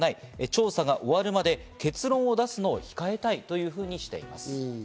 調査が終わるまで結論を出すのを控えたいというふうにしています。